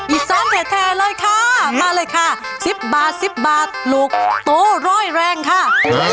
อีสานเทเลยค่ะมาเลยค่ะสิบบาทสิบบาทหลุกตัวรอยแรงค่ะ